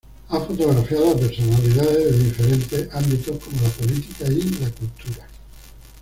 Ha fotografiado a personalidades de diferentes ámbitos como la política y la cultura.